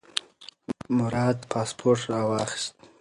مراد پاسپورت راواخیست.